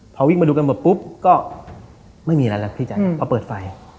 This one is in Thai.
พอวิ่งมาดูกันหมดปุ๊บก็ไม่มีอะไรแล้วพี่แจ๊คพอเปิดไฟ